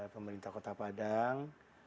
pemerintah kota padang